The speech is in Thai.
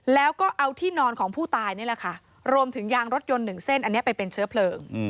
แล้วก็เอาที่นอนของผู้ตายนี่แหละค่ะรวมถึงยางรถยนต์หนึ่งเส้นอันนี้ไปเป็นเชื้อเพลิง